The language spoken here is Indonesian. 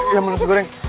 ya ampun usus goreng